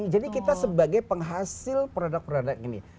jadi kita sebagai penghasil produk produk gini